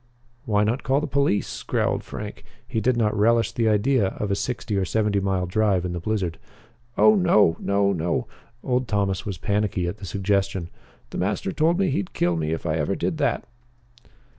"Why not call the police?" growled Frank. He did not relish the idea of a sixty or seventy mile drive in the blizzard. "Oh no no no!" Old Thomas was panicky at the suggestion. "The master told me he'd kill me if I ever did that."